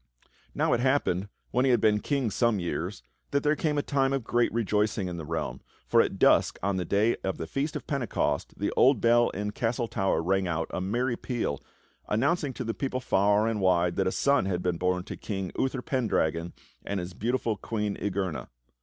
Now it happened, when he had been king some years, that there came a time of great rejoicing in the realm, for at dusk on the Day of the Feast of Pentecost the old bell in the castle tower rang out a merry peal announcing to the people far and wide that a son had been born to King Uther Pendragon and his beautiful Queen Igerna.